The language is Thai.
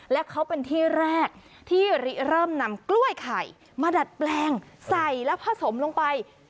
และเขาเป็นที่แรกที่เริ่มนำกล้วยไข่มาดัดแปลงใส่แล้วผสมลงไป